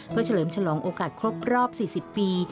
เพื่อเฉลิมฉลองโอกาสครบรอบ๔๐ปี